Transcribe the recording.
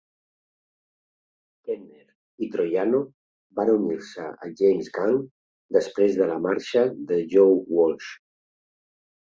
Kenner i Troiano van unir-se al James Gang, després de la marxa de Joe Walsh.